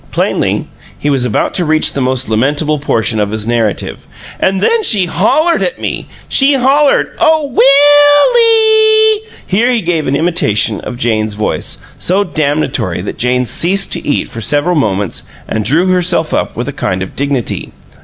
Plainly, he was about to reach the most lamentable portion of his narrative. "And then she HOLLERED at me! She hollered, 'Oh, WILL EE!'" Here he gave an imitation of Jane's voice, so damnatory that Jane ceased to eat for several moments and drew herself up with a kind of dignity.